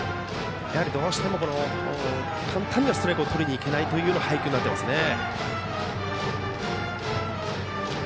どうしても簡単にはストライクをとりにいけないというような配球になっていますね。